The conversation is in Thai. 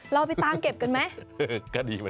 เราไปตามเก็บกันไหม